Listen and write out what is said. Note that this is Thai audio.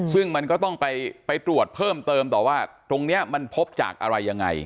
ซึ่งมันก็ต้องไปตรวจเพิ่มเติมต่อว่าตรงนี้มันพบจากอะไรยังไง